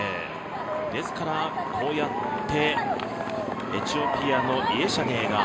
ですからこうやってエチオピアのイェシャネーが